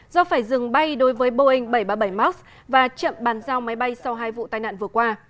do phải dừng bay đối với boeing bảy trăm ba mươi bảy max và chậm bàn giao máy bay sau hai vụ tai nạn vừa qua